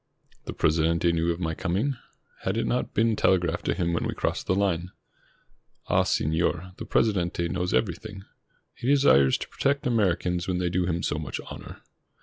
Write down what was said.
The Presidente knew of my coming. Had it not been telegraphed to him when we crossed the line? Ah, Senor, the Presidente knows everything. He desires to protect Americans when they do him so much honor.